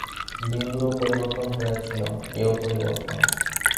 বিন্দুরও পরিবর্তন হইয়াছিল, এও পরিবর্তন।